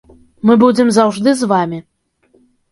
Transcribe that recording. Мы будзем заўжды з вамі.